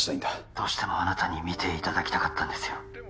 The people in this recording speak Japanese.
どうしてもあなたに見ていただきたかったんですよ